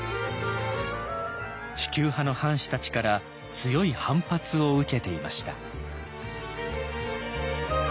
守旧派の藩士たちから強い反発を受けていました。